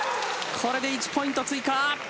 これで１ポイント追加。